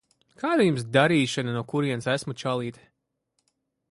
Kāda Jums darīšana no kurienes esmu, čalīt?